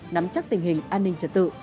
nắm chắc tình hình an ninh trật tự